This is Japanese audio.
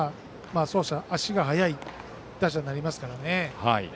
走者、足が速い打者になりますからね。